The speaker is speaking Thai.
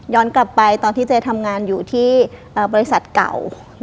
กลับไปตอนที่เจ๊ทำงานอยู่ที่บริษัทเก่า